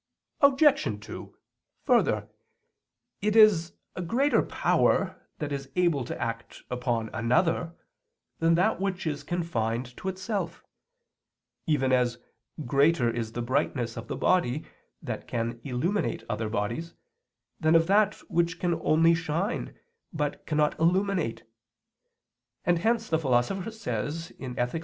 Obj. 2: Further, it is a greater power that is able to act upon another, than that which is confined to itself, even as greater is the brightness of the body that can illuminate other bodies, than of that which can only shine but cannot illuminate; and hence the Philosopher says (Ethic.